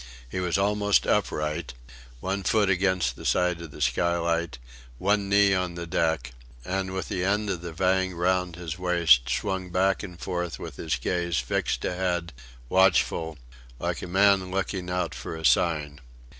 He was almost upright one foot against the side of the skylight, one knee on the deck; and with the end of the vang round his waist swung back and forth with his gaze fixed ahead, watchful, like a man looking out for a sign.